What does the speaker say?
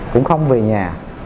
cũng không về nhà